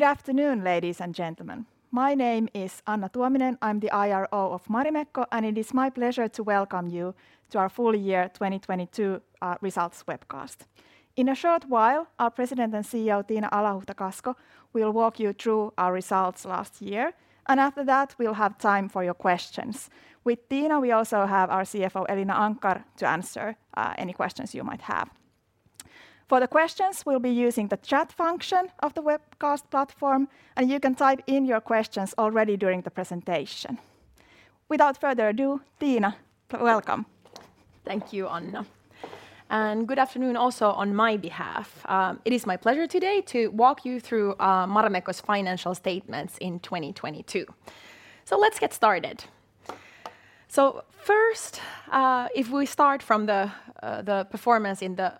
Good afternoon, ladies and gentlemen. My name is Anna Tuominen. I'm the IRO of Marimekko. It is my pleasure to welcome you to Our Full Year 2022 Results Webcast. In a short while, our President and CEO, Tiina Alahuhta-Kasko, will walk you through our results last year. After that, we'll have time for your questions. With Tiina, we also have our CFO, Elina Anckar, to answer any questions you might have. For the questions, we'll be using the chat function of the webcast platform. You can type in your questions already during the presentation. Without further ado, Tiina, welcome. Thank you, Anna, and good afternoon also on my behalf. It is my pleasure today to walk you through Marimekko's financial statements in 2022. Let's get started. First, if we start from the performance in the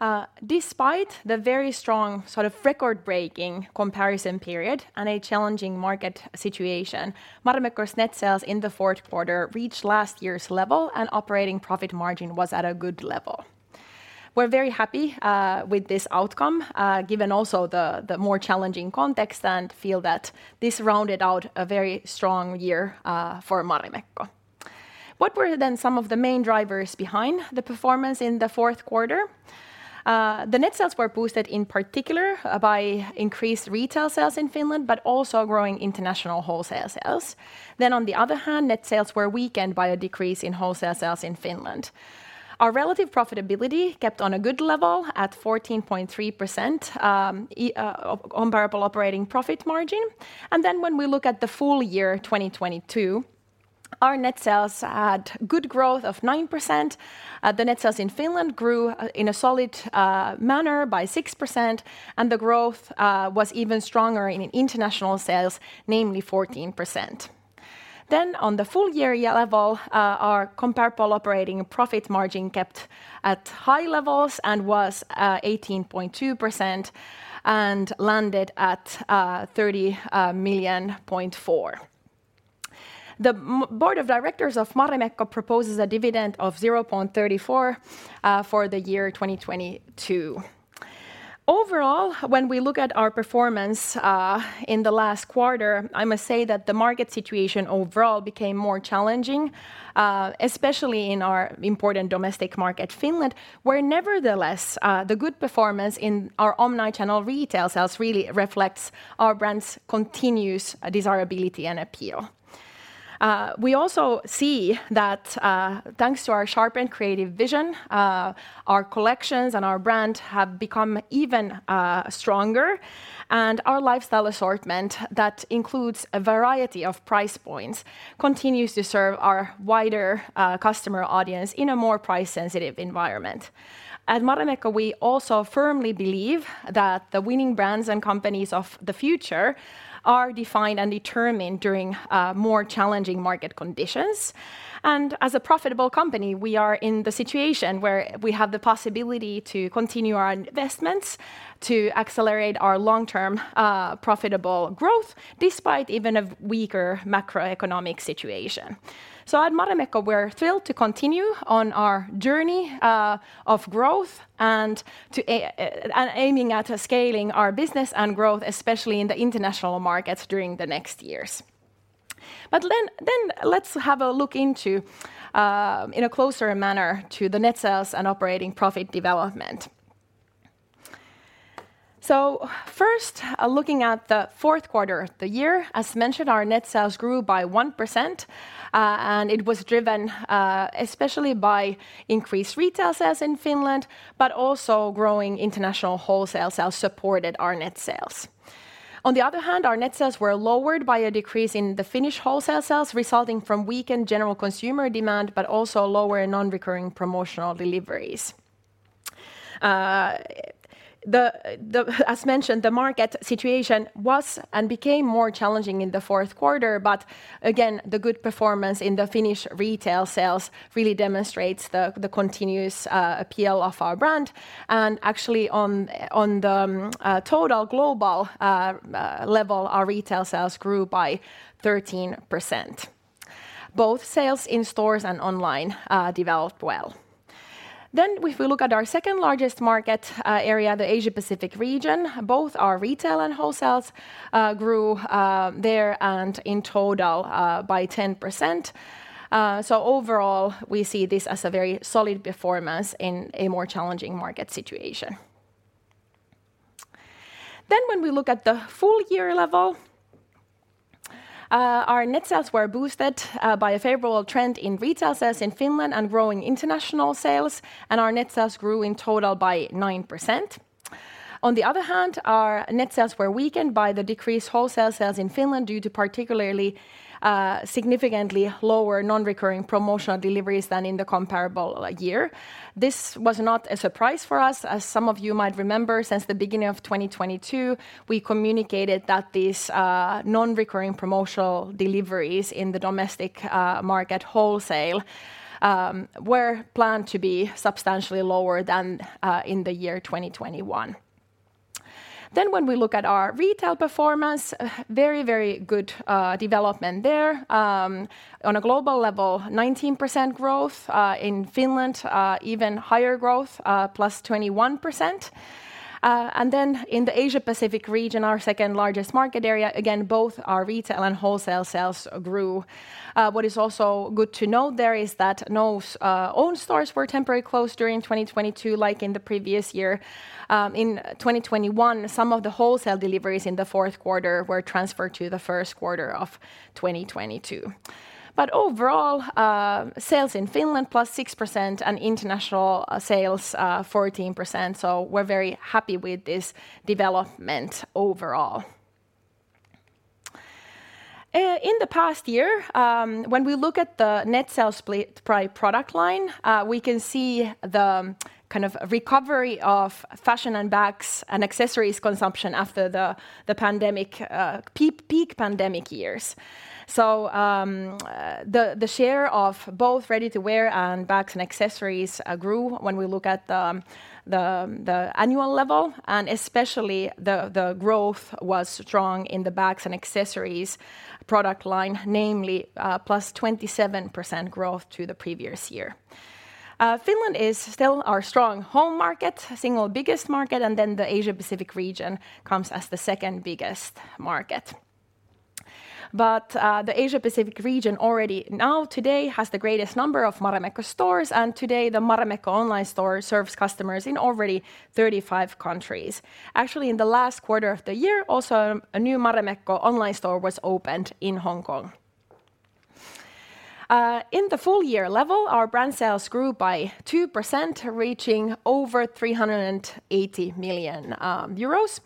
fourth quarter, despite the very strong sort of record-breaking comparison period and a challenging market situation, Marimekko's net sales in the fourth quarter reached last year's level, and operating profit margin was at a good level. We're very happy with this outcome, given also the more challenging context and feel that this rounded out a very strong year for Marimekko. What were some of the main drivers behind the performance in the fourth quarter? The net sales were boosted in particular by increased retail sales in Finland but also growing international wholesale sales. On the other hand, net sales were weakened by a decrease in wholesale sales in Finland. Our relative profitability kept on a good level at 14.3% on comparable operating profit margin. When we look at the full year 2022, our net sales had good growth of 9%. The net sales in Finland grew in a solid manner by 6%, and the growth was even stronger in international sales, namely 14%. On the full year level, our comparable operating profit margin kept at high levels and was 18.2% and landed at 30.4 million. The Board of Directors of Marimekko proposes a dividend of 0.34 for the year 2022. Overall, when we look at our performance, in the last quarter, I must say that the market situation overall became more challenging, especially in our important domestic market, Finland, where nevertheless, the good performance in our omni-channel retail sales really reflects our brand's continuous desirability and appeal. We also see that, thanks to our sharpened creative vision, our collections and our brand have become even stronger, and our lifestyle assortment that includes a variety of price points continues to serve our wider, customer audience in a more price-sensitive environment. At Marimekko, we also firmly believe that the winning brands and companies of the future are defined and determined during, more challenging market conditions. As a profitable company, we are in the situation where we have the possibility to continue our investments to accelerate our long-term profitable growth despite even a weaker macroeconomic situation. At Marimekko, we're thrilled to continue on our journey of growth and aiming at scaling our business and growth, especially in the international markets during the next years. Then let's have a look into in a closer manner to the net sales and operating profit development. First, looking at the fourth quarter, the year, as mentioned, our net sales grew by 1%, and it was driven especially by increased retail sales in Finland, but also growing international wholesale sales supported our net sales. On the other hand, our net sales were lowered by a decrease in the Finnish wholesale sales resulting from weakened general consumer demand but also lower non-recurring promotional deliveries. As mentioned, the market situation was and became more challenging in the fourth quarter, but again, the good performance in the Finnish retail sales really demonstrates the continuous appeal of our brand. Actually on the total global level, our retail sales grew by 13%. Both sales in stores and online developed well. If we look at our second-largest market area, the Asia-Pacific region, both our retail and wholesales grew there and in total by 10%. Overall, we see this as a very solid performance in a more challenging market situation. When we look at the full year level, our net sales were boosted by a favorable trend in retail sales in Finland and growing international sales, and our net sales grew in total by 9%. On the other hand, our net sales were weakened by the decreased wholesale sales in Finland due to particularly significantly lower non-recurring promotional deliveries than in the comparable year. This was not a surprise for us, as some of you might remember since the beginning of 2022, we communicated that these non-recurring promotional deliveries in the domestic market wholesale were planned to be substantially lower than in the year 2021. When we look at our retail performance, very, very good development there. On a global level, 19% growth. In Finland, even higher growth, +21%. In the Asia-Pacific region, our second largest market area, again both our retail and wholesale sales grew. What is also good to note there is that no own stores were temporarily closed during 2022 like in the previous year. In 2021 some of the wholesale deliveries in the fourth quarter were transferred to the first quarter of 2022. Overall, sales in Finland +6% and international sales 14%. We're very happy with this development overall. In the past year, when we look at the net sale split by product line, we can see the kind of recovery of fashion and bags and accessories consumption after the pandemic, peak pandemic years. The share of both ready-to-wear and bags and accessories grew when we look at the annual level, and especially the growth was strong in the bags and accessories product line, namely, +27% growth to the previous year. Finland is still our strong home market, single biggest market, the Asia-Pacific region comes as the second biggest market. The Asia-Pacific region already now today has the greatest number of Marimekko stores, and today the Marimekko online store serves customers in already 35 countries. Actually, in the last quarter of the year, also a new Marimekko online store was opened in Hong Kong. In the full year level, our brand sales grew by 2%, reaching over 380 million euros.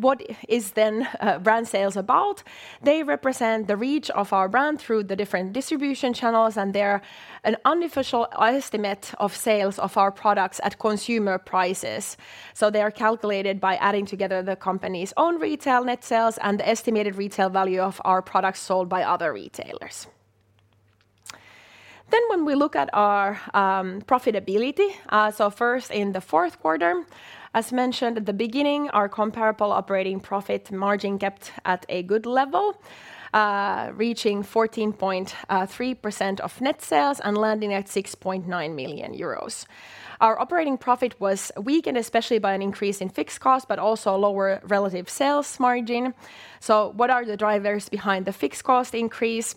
What is then brand sales about? They represent the reach of our brand through the different distribution channels, and they're an unofficial estimate of sales of our products at consumer prices. They are calculated by adding together the company's own retail net sales and the estimated retail value of our products sold by other retailers. When we look at our profitability, so first in the fourth quarter, as mentioned at the beginning, our comparable operating profit margin kept at a good level, reaching 14.3% of net sales and landing at 6.9 million euros. Our operating profit was weakened, especially by an increase in fixed cost, but also a lower relative sales margin. What are the drivers behind the fixed cost increase?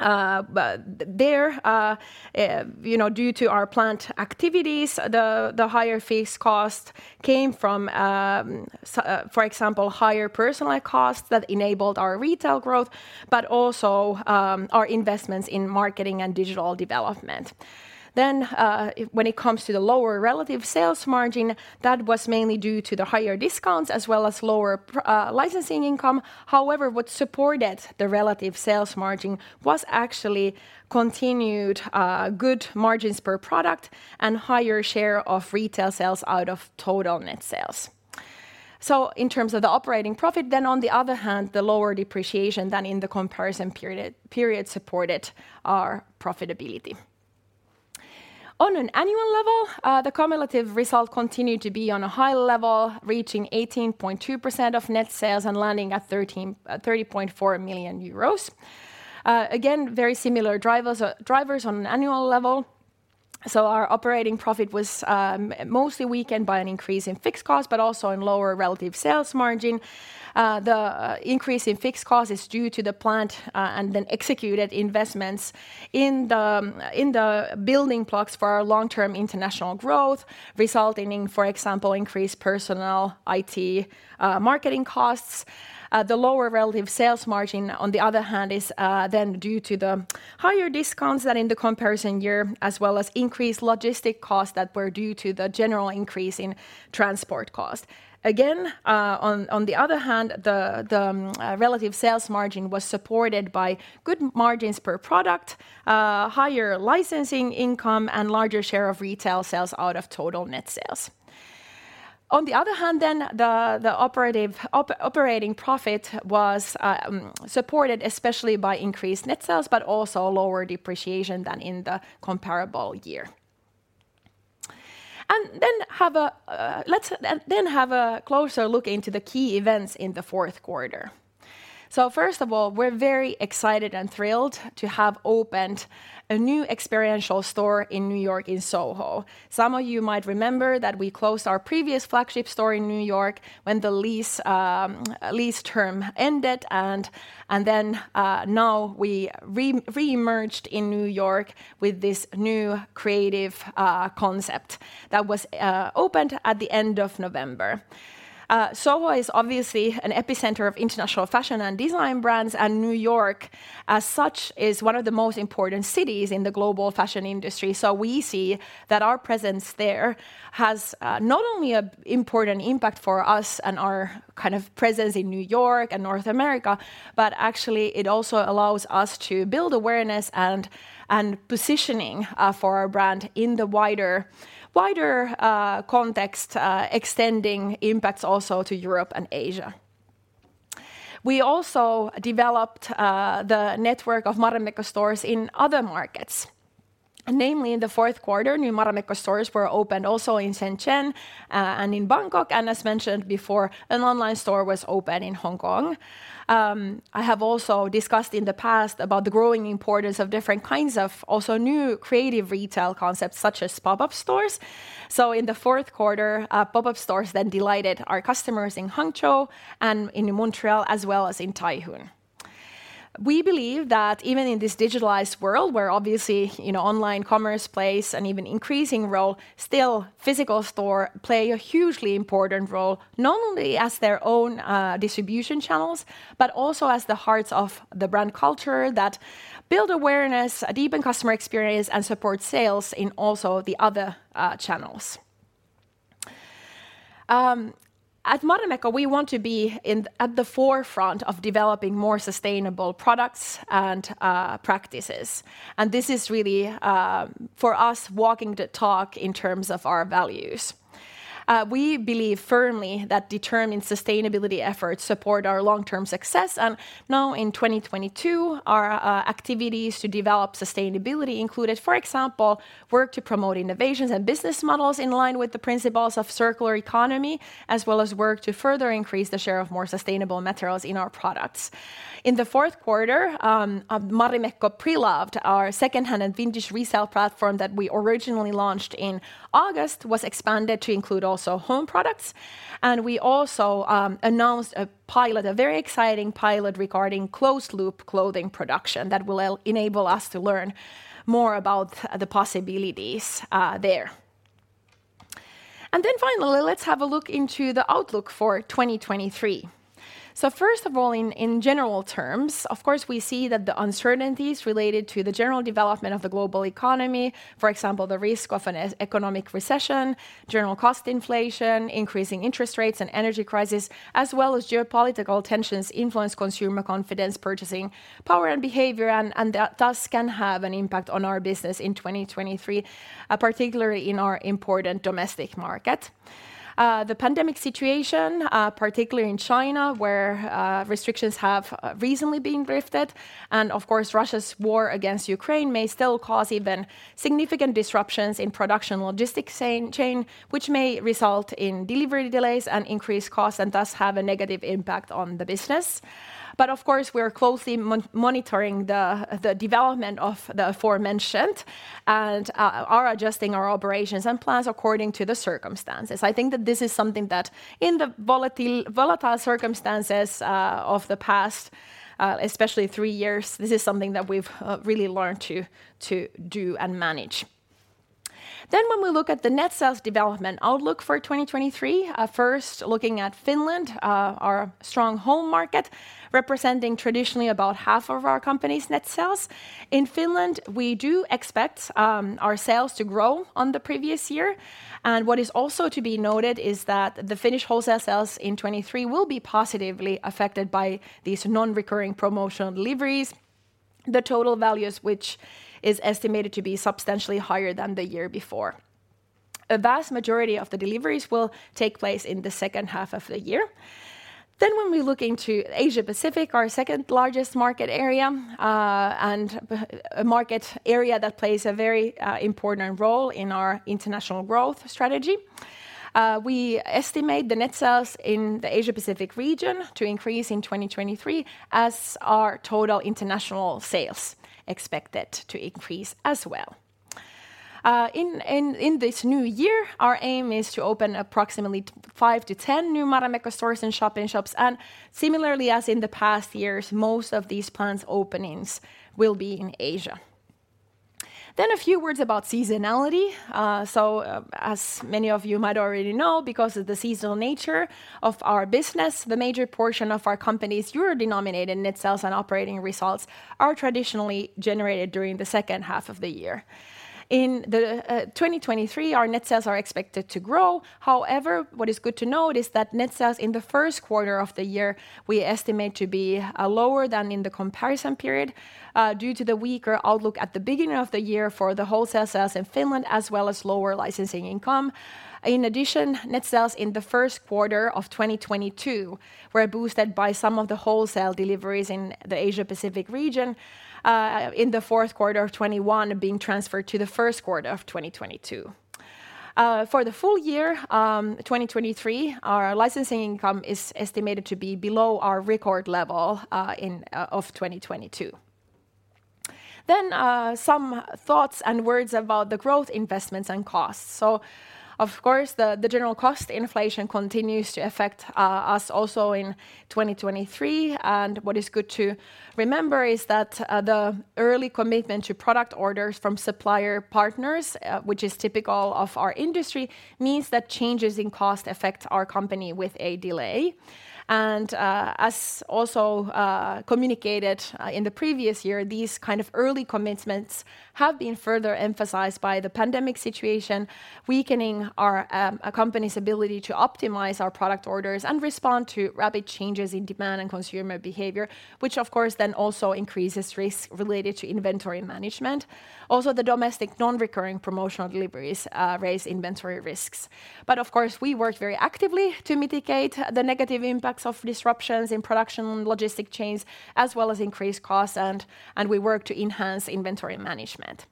There, you know, due to our plant activities, the higher fixed cost came from, for example, higher personnel costs that enabled our retail growth, but also, our investments in marketing and digital development. When it comes to the lower relative sales margin, that was mainly due to the higher discounts as well as lower licensing income. However, what supported the relative sales margin was actually continued, good margins per product and higher share of retail sales out of total net sales. In terms of the operating profit, then on the other hand, the lower depreciation than in the comparison period supported our profitability. On an annual level, the cumulative result continued to be on a high level, reaching 18.2% of net sales and landing at 30.4 million euros. Again, very similar drivers on an annual level. Our operating profit was mostly weakened by an increase in fixed cost, but also in lower relative sales margin. The increase in fixed cost is due to the plant, and then executed investments in the building blocks for our long-term international growth, resulting in, for example, increased personnel, IT, marketing costs. The lower relative sales margin, on the other hand, is then due to the higher discounts than in the comparison year, as well as increased logistic costs that were due to the general increase in transport cost. Again, on the other hand, the relative sales margin was supported by good margins per product, higher licensing income, and larger share of retail sales out of total net sales. On the other hand then, the operating profit was supported especially by increased net sales but also lower depreciation than in the comparable year. Let's then have a closer look into the key events in the fourth quarter. First of all, we're very excited and thrilled to have opened a new experiential store in New York in Soho. Some of you might remember that we closed our previous flagship store in New York when the lease lease term ended and then, now we reemerged in New York with this new creative concept that was opened at the end of November. Soho is obviously an epicenter of international fashion and design brands, and New York as such is one of the most important cities in the global fashion industry. We see that our presence there has not only a important impact for us and our kind of presence in New York and North America, but actually it also allows us to build awareness and positioning, for our brand in the wider, context, extending impacts also to Europe and Asia. We also developed the network of Marimekko stores in other markets. Namely in the fourth quarter, new Marimekko stores were opened also in Shenzhen, and in Bangkok, and as mentioned before, an online store was opened in Hong Kong. I have also discussed in the past about the growing importance of different kinds of also new creative retail concepts such as pop-up stores. In the fourth quarter, pop-up stores then delighted our customers in Hangzhou and in Montreal, as well as in Taihu. We believe that even in this digitalized world, where obviously, you know, online commerce plays an even increasing role, still physical store play a hugely important role, not only as their own distribution channels, but also as the hearts of the brand culture that build awareness, deepen customer experience, and support sales in also the other channels. At Marimekko, we want to be at the forefront of developing more sustainable products and practices. This is really for us, walking the talk in terms of our values. We believe firmly that determined sustainability efforts support our long-term success, and now in 2022, our activities to develop sustainability included, for example, work to promote innovations and business models in line with the principles of circular economy, as well as work to further increase the share of more sustainable materials in our products. In the fourth quarter, Marimekko Pre-loved, our secondhand and vintage resale platform that we originally launched in August, was expanded to include also home products. We also announced a pilot, a very exciting pilot regarding closed-loop clothing production that will enable us to learn more about the possibilities there. Finally, let's have a look into the outlook for 2023. First of all, in general terms, of course, we see that the uncertainties related to the general development of the global economy, for example, the risk of an economic recession, general cost inflation, increasing interest rates and energy crisis, as well as geopolitical tensions influence consumer confidence, purchasing power and behavior, and that thus can have an impact on our business in 2023, particularly in our important domestic market. The pandemic situation, particularly in China, where restrictions have recently been lifted, and of course, Russia's war against Ukraine may still cause even significant disruptions in production logistics supply chain, which may result in delivery delays and increased costs, and thus have a negative impact on the business. Of course, we are closely monitoring the development of the aforementioned and are adjusting our operations and plans according to the circumstances. I think that this is something that in the volatile circumstances of the past, especially three years, this is something that we've really learned to do and manage. When we look at the net sales development outlook for 2023, first looking at Finland, our strong home market, representing traditionally about half of our company's net sales. In Finland, we do expect our sales to grow on the previous year. What is also to be noted is that the Finnish wholesale sales in 2023 will be positively affected by these non-recurring promotional deliveries, the total values which is estimated to be substantially higher than the year before. A vast majority of the deliveries will take place in the second half of the year. When we look into Asia-Pacific, our second largest market area, and a market area that plays a very important role in our international growth strategy, we estimate the net sales in the Asia-Pacific region to increase in 2023 as our total international sales expected to increase as well. In this new year, our aim is to open approximately 5-10 new Marimekko stores and shop-in-shops. Similarly as in the past years, most of these planned openings will be in Asia. A few words about seasonality. As many of you might already know, because of the seasonal nature of our business, the major portion of our company's EUR-denominated net sales and operating results are traditionally generated during the second half of the year. In the 2023, our net sales are expected to grow. However, what is good to note is that net sales in the first quarter of the year, we estimate to be lower than in the comparison period, due to the weaker outlook at the beginning of the year for the wholesale sales in Finland, as well as lower licensing income. In addition, net sales in the first quarter of 2022 were boosted by some of the wholesale deliveries in the Asia-Pacific region, in the fourth quarter of 2021 being transferred to the first quarter of 2022. For the full year, 2023, our licensing income is estimated to be below our record level in of 2022. Some thoughts and words about the growth investments and costs. Of course, the general cost inflation continues to affect us also in 2023. What is good to remember is that the early commitment to product orders from supplier partners, which is typical of our industry, means that changes in cost affect our company with a delay. As also communicated in the previous year, these kind of early commitments have been further emphasized by the pandemic situation, weakening our company's ability to optimize our product orders and respond to rapid changes in demand and consumer behavior, which of course then also increases risk related to inventory management. Also, the domestic non-recurring promotional deliveries raise inventory risks. Of course, we work very actively to mitigate the negative impacts of disruptions in production and logistic chains, as well as increased costs, and we work to enhance inventory management.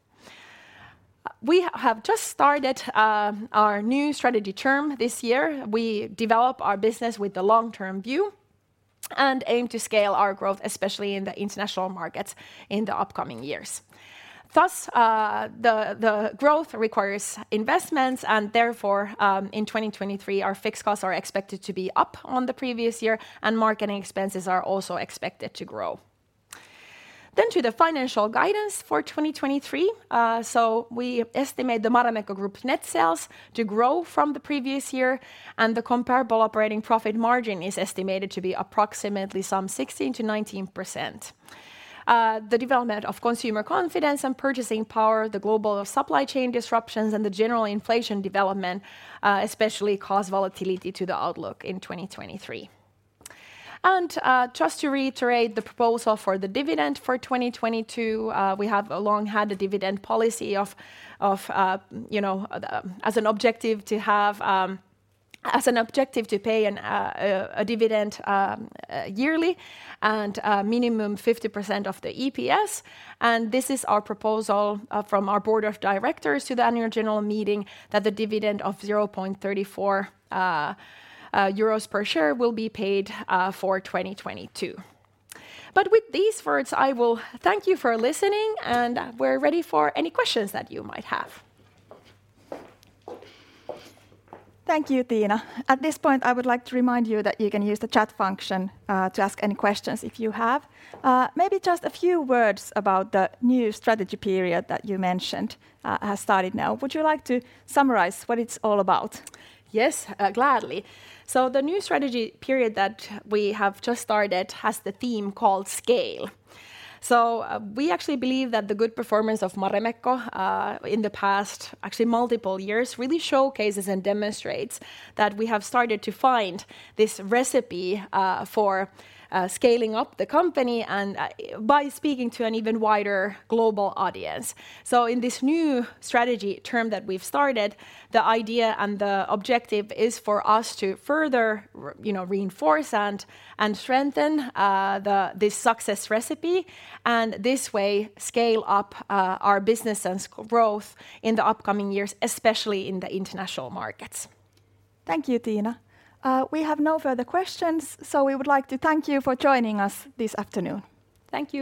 We have just started our new strategy term this year. We develop our business with the long-term view and aim to scale our growth, especially in the international markets in the upcoming years. Thus, the growth requires investments, and therefore, in 2023, our fixed costs are expected to be up on the previous year, and marketing expenses are also expected to grow. To the financial guidance for 2023. We estimate the Marimekko Group's net sales to grow from the previous year, and the comparable operating profit margin is estimated to be approximately some 16%-19%. The development of consumer confidence and purchasing power, the global supply chain disruptions, and the general inflation development, especially cause volatility to the outlook in 2023. Just to reiterate the proposal for the dividend for 2022, we have long had the dividend policy of, you know, as an objective to pay a dividend yearly and a minimum 50% of the EPS. This is our proposal from our Board of Directors to the annual general meeting that the dividend of 0.34 euros per share will be paid for 2022. With these words, I will thank you for listening, and we're ready for any questions that you might have. Thank you, Tiina. At this point, I would like to remind you that you can use the chat function to ask any questions if you have. Maybe just a few words about the new strategy period that you mentioned has started now. Would you like to summarize what it's all about? Yes, gladly. The new strategy period that we have just started has the theme called Scale. We actually believe that the good performance of Marimekko in the past, actually multiple years, really showcases and demonstrates that we have started to find this recipe for scaling up the company and by speaking to an even wider global audience. In this new strategy term that we've started, the idea and the objective is for us to further you know, reinforce and strengthen this success recipe, and this way, scale up our business and growth in the upcoming years, especially in the international markets. Thank you, Tiina. We have no further questions. We would like to thank you for joining us this afternoon. Thank you.